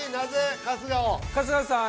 春日さん